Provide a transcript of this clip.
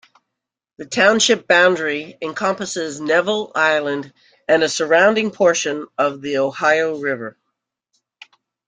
The township boundary encompasses Neville Island and a surrounding portion of the Ohio River.